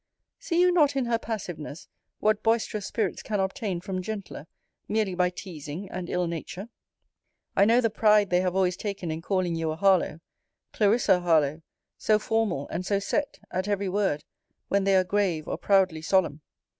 See you not in her passiveness, what boisterous spirits can obtain from gentler, merely by teasing and ill nature? I know the pride they have always taken in calling you a Harlowe Clarissa Harlowe, so formal and so set, at every word, when they are grave or proudly solemn.